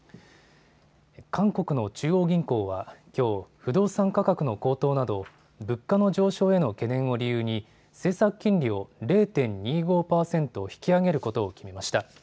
韓国の中央銀行はきょう、不動産価格の高騰など、物価の上昇への懸念を理由に、政策金利を０．２５％引き上げることを決めました。